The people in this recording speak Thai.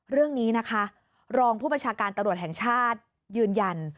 เรื่องนี้นะคะรองผู้บัญชาการตำรวจแห่งชาติยืนยัน